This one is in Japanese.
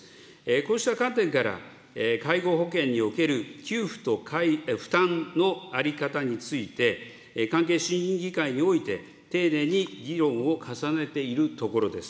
こうした観点から、介護保険における給付と負担の在り方について、関係審議会において、丁寧に議論を重ねているところです。